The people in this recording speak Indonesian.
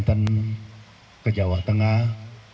kemarin kami ke jawa tengah